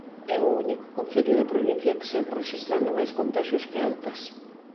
É o único concello da provincia que segue rexistrando máis contaxios que altas.